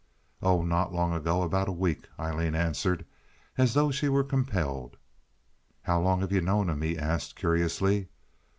"Oh, not long ago. About a week," Aileen answered, as though she were compelled. "How long have you known him?" he asked, curiously.